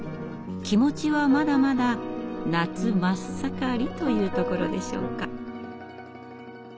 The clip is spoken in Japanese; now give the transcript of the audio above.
気持ちはまだまだ夏真っ盛りというところでしょうか。